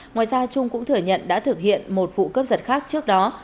ngoài ra trung cũng thừa nhận đã thực hiện một vụ cướp giật khác trước đó